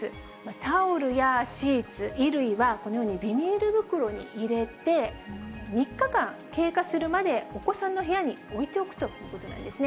タオルやシーツ、衣類はこのようにビニール袋に入れて、３日間経過するまで、お子さんの部屋に置いておくということなんですね。